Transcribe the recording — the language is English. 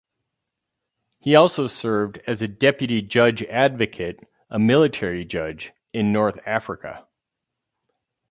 He also served as a deputy judge advocate, a military judge, in North Africa.